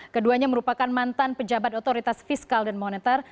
keduanya merupakan mantan pejabat otoritas fiskal dan moneter